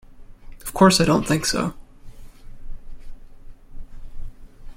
Of course I don’t think so!